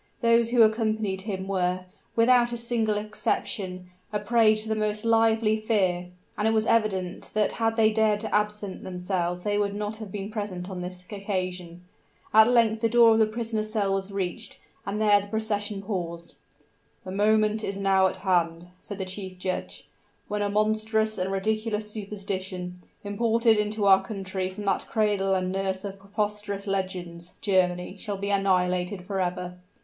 Those who accompanied him were, without a single exception, a prey to the most lively fear; and it was evident that had they dared to absent themselves they would not have been present on this occasion. At length the door of the prisoner's cell was reached; and there the procession paused. "The moment is now at hand," said the chief judge, "when a monstrous and ridiculous superstition, imported into our country from that cradle and nurse of preposterous legends Germany shall be annihilated forever.